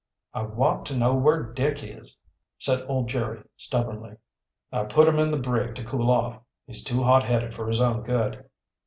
"I want to know where Dick is?" said old Jerry stubbornly. "I put him in the brig to cool off. He's too hot headed for his own good."